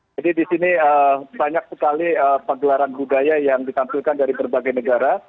jadi di sini banyak sekali penggelaran budaya yang ditampilkan dari berbagai negara